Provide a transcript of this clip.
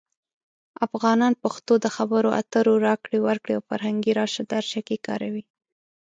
افغانان پښتو د خبرو اترو، راکړې ورکړې، او فرهنګي راشه درشه کې کاروي.